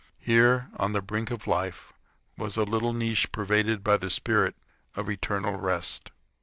Here, on the brink of life, was a little niche pervaded by the spirit of eternal rest.